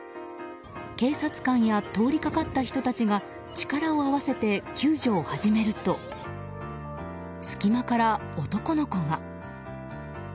警察官や通りかかった人たちが力を合わせて救助を始めると隙間から男の子が。